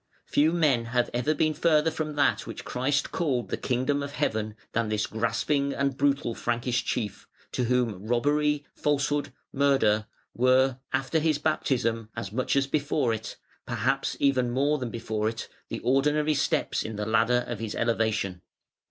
Few men have ever been further from that which Christ called "the Kingdom of Heaven" than this grasping and brutal Frankish chief, to whom robbery, falsehood, murder were, after his baptism, as much as before it (perhaps even more than before it), the ordinary steps in the ladder of his elevation.